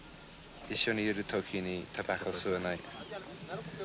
一緒にいるときにたばこ吸わない。